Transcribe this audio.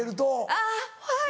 あぁはい！